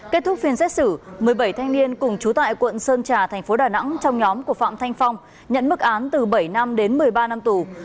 kết thúc phiên xét xử một mươi bảy thanh niên cùng chú tại quận sơn trà thành phố đà nẵng trong nhóm của phạm thanh phong nhận mức án từ bảy năm đến một mươi ba năm tù